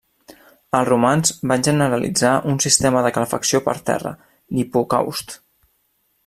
Els romans van generalitzar un sistema de calefacció per terra, l'hipocaust.